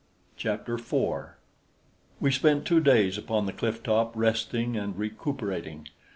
Chapter 4 We spent two days upon the cliff top, resting and recuperating.